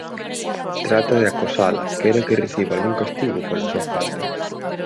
Trata de acosala, quere que reciba algún castigo pola súa falta.